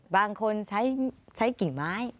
บางคนใช้กิ่งไม้